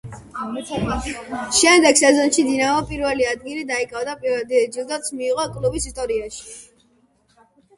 შემდეგ სეზონში დინამომ პირველი ადგილი დაიკავა და პირველი დიდი ჯილდოც მიიღო კლუბის ისტორიაში.